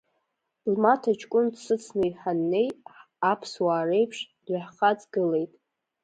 Лмаҭа ҷкәын дсыцны ҳаннеи, аԥсуаа реиԥш, дҩаҳхаҵгылеит.